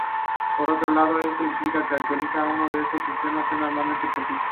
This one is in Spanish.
Por otro lado, esto implica que actualizar uno de estos sistemas es normalmente imposible.